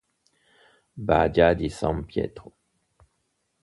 Badia di San Pietro